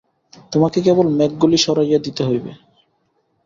তোমাকে কেবল মেঘগুলি সরাইয়া দিতে হইবে।